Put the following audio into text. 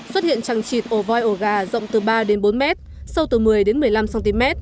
xuất hiện trăng trịt ổ voi ổ gà rộng từ ba đến bốn m sâu từ một mươi một mươi năm cm